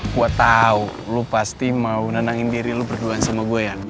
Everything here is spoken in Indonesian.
gue tau lo pasti mau nenangin diri lu berduaan sama gue ya